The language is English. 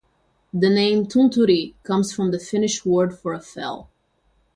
The name Tunturi comes from the Finnish word for a fell.